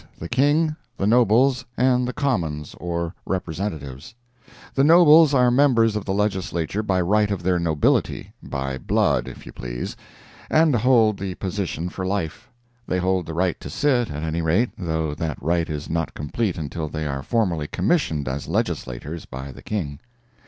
The King, the Nobles and the Commons or Representatives. The Nobles are members of the Legislature by right of their nobility—by blood, if you please—and hold the position for life. They hold the right to sit, at any rate, though that right is not complete until they are formally commissioned as Legislators by the King.